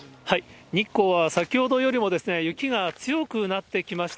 日光は先ほどよりも雪が強くなってきました。